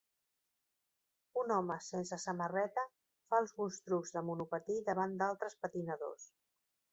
Un home sense samarreta fa alguns trucs de monopatí davant d'altres patinadors